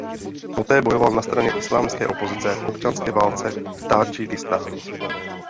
Poté bojoval na straně islámské opozice v občanské válce v Tádžikistánu.